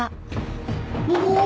お！